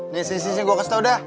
nih sis sisnya gue kasih tau dah